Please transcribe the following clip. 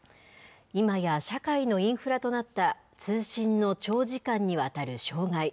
今や社会のインフラとなった通信の長時間にわたる障害。